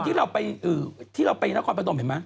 เพราะคนที่เราไปนักกรประดมเห็นไหม